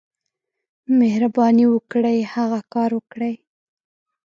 مهرباني وکړئ، هغه کار وکړئ.